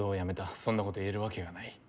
そんなこと言えるわけがない。